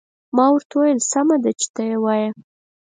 ما ورته وویل: سمه ده، چې ته يې وایې.